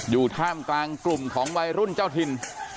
ท่ามกลางกลุ่มของวัยรุ่นเจ้าถิ่น